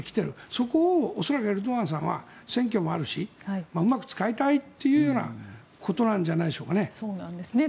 そこを恐らくエルドアンさんは選挙もあるしうまく使いたいというようなことなんじゃないでしょうかね。